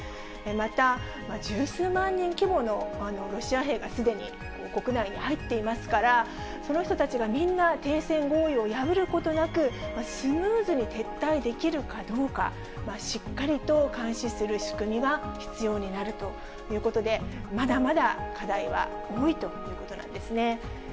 また、十数万人規模のロシア兵がすでに国内に入っていますから、その人たちがみんな、停戦合意を破ることなく、スムーズに撤退できるかどうか、しっかりと監視する仕組みが必要になるということで、まだまだ課題は多いということなんですね。